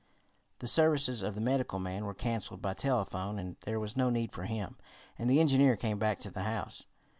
The services of the medical man were canceled by telephone, as there was no need for him, and the engineer came back to the house.